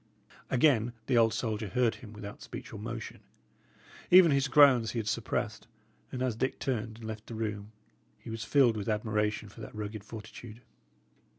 Again the old soldier heard him without speech or motion; even his groans he had suppressed; and as Dick turned and left the room, he was filled with admiration for that rugged fortitude.